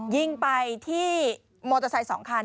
ยิงไปที่มอเตอร์ไซค์๒คัน